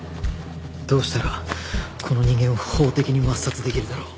どうしたらこの人間を法的に抹殺できるだろう？